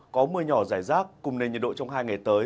có mưa nhỏ rải rác cùng nền nhiệt độ trong hai ngày tới